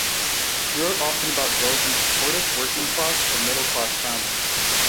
She wrote often about girls in supportive, working-class or middle-class families.